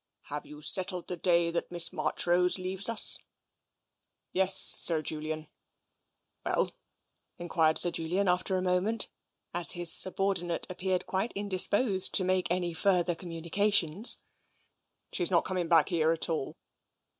" Have you settled the day that Miss Marchrose leaves us? "" Yes, Sir Julian." "Well?" enquired Sir Julian, after a moment, as his subordinate appeared quite indisposed to make any further communications. She's not coming back here at all."